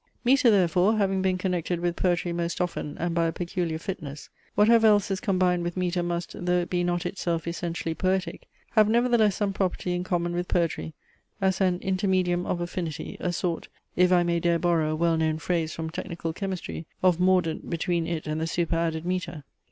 Metre, therefore, having been connected with poetry most often and by a peculiar fitness, whatever else is combined with metre must, though it be not itself essentially poetic, have nevertheless some property in common with poetry, as an intermedium of affinity, a sort, (if I may dare borrow a well known phrase from technical chemistry), of mordaunt between it and the super added metre.